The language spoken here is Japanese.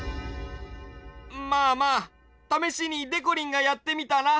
まあまあためしにでこりんがやってみたら？